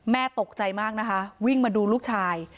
ตกใจมากนะคะวิ่งมาดูลูกชาย